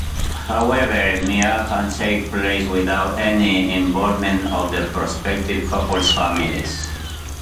However, miai can take place without any involvement of the prospective couple's families.